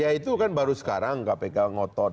ya itu kan baru sekarang kpk ngotot